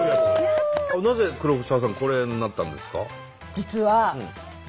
なぜ黒沢さんこれになったんですか？